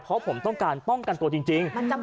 เพราะผมต้องการป้องกันตัวจริง